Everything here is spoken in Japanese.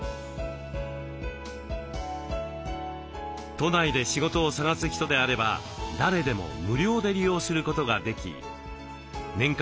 都内で仕事を探す人であれば誰でも無料で利用することができ年間